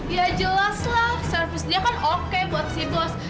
ya jelas lah servisnya kan oke buat si bos